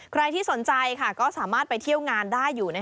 ใครที่สนใจก็สามารถไปเที่ยวงานได้อยู่